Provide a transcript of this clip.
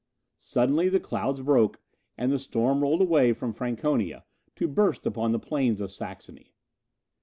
Suddenly the clouds broke, and the storm rolled away from Franconia, to burst upon the plains of Saxony.